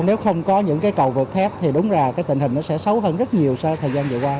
nếu không có những cái cầu vượt thép thì đúng ra cái tình hình nó sẽ xấu hơn rất nhiều sau thời gian vừa qua